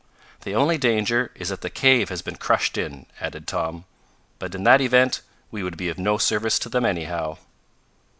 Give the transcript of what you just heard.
"The only danger is that the cave has been crushed in," added Tom; "but in that event we would be of no service to them anyhow."